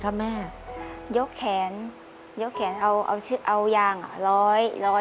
ครับแม่ยกแขนยกแขนเอาเอาชื่อเอายางอ่ะร้อยร้อย